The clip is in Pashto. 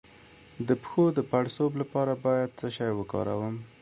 د پښو د پړسوب لپاره باید څه شی وکاروم؟